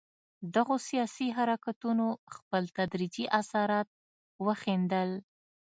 دغو سیاسي حرکتونو خپل تدریجي اثرات وښندل.